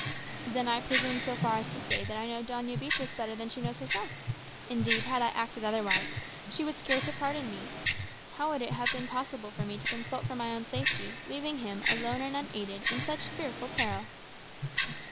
"Then, I presume so far as to say, that I know Doña Beatriz better than she knows herself. Indeed, had I acted otherwise, she would scarce have pardoned me. How would it have been possible for me to consult for my own safety, leaving him alone and unaided, in such fearful peril?"